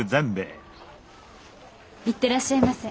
行ってらっしゃいませ。